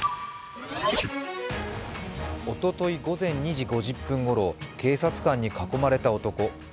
おととい午前２時５０分ごろ警察官に囲まれた男。